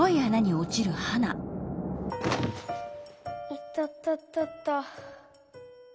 いたたたた。